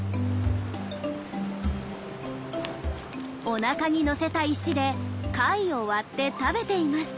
おなかにのせた石で貝を割って食べています。